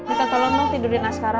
minta tolongpi tidurin naskara